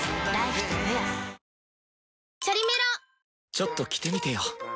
ちょっと着てみてよ！